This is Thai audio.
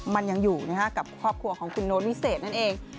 มันยังอยู่กับครอบครัวของคุณโน้ตวิเศษนั่นเอง